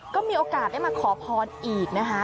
ก็มีโอกาสได้มาขอพรอีกนะคะ